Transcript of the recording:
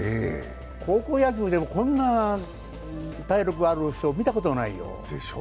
高校野球でもこんな体力のある人、見たことないよ。